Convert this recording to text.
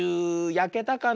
やけたかな。